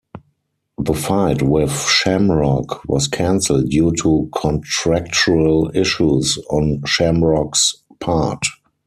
The fight with Shamrock was cancelled due to contractual issues on Shamrock's part.